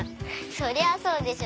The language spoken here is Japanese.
そりゃあそうでしょ。